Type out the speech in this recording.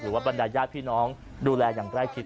บรรดายญาติพี่น้องดูแลอย่างใกล้ชิด